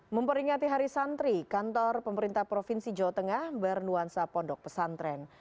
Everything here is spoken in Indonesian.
memperingati hari santri kantor pemerintah provinsi jawa tengah bernuansa pondok pesantren